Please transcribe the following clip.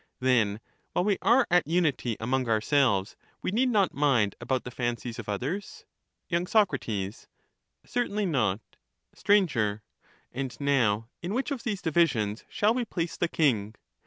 Then while we are at unity among ourselves, we need not mind about the fancies of others ? Y. Soc. Certainly not. Str, And now, in which of these divisions shall we place The king's the king?